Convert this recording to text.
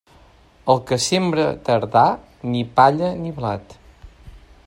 El que sembra tardà, ni palla ni blat.